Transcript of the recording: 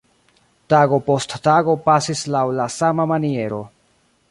Tago post tago pasis laŭ la sama maniero.